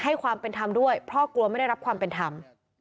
ความเป็นธรรมด้วยเพราะกลัวไม่ได้รับความเป็นธรรม